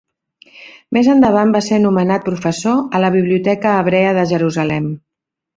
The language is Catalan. Més endavant va ser nomenat professor a la Biblioteca Hebrea de Jerusalem.